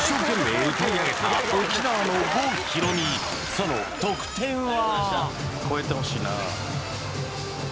その得点は？